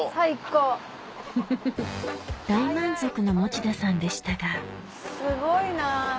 大満足の持田さんでしたがすごいな。